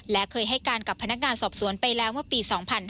และเคยให้การกับพนักงานสอบสวนไปแล้วเมื่อปี๒๕๕๙